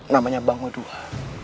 namanya bang udua